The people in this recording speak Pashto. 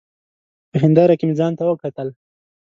په هېنداره کي مي ځانته وکتل !